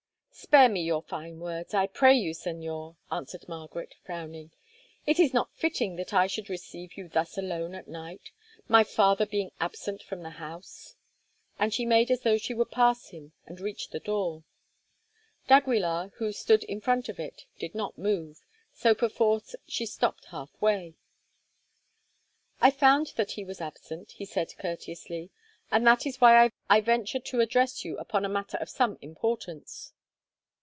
"Spare me your fine words, I pray you, Señor," answered Margaret, frowning. "It is not fitting that I should receive you thus alone at night, my father being absent from the house." And she made as though she would pass him and reach the door. d'Aguilar, who stood in front of it, did not move, so perforce she stopped half way. "I found that he was absent," he said courteously, "and that is why I venture to address you upon a matter of some importance.